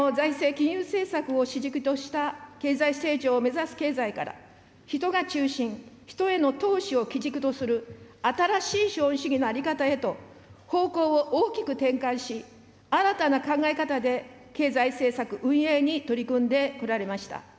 ・金融政策を主軸とした経済成長を目指す経済から、人が中心、人への投資を基軸とする新しい資本主義への在り方へと方向を大きく転換し、新たな考え方で経済政策運営に取り組んでこられました。